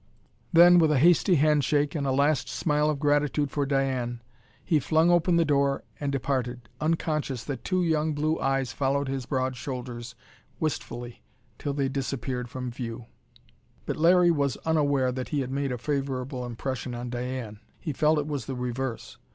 Then, with a hasty handshake, and a last smile of gratitude for Diane, he flung open the door and departed, unconscious that two young blue eyes followed his broad shoulders wistfully till they disappeared from view. But Larry was unaware that he had made a favorable impression on Diane. He felt it was the reverse.